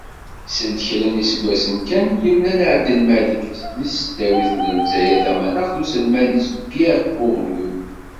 Seld kra n yiseggasen kan, yemlal Ɛebdelmalek, deg tesdawit n Lezzayer tamanaɣt, d uselmad-is Pierre Bourdieu.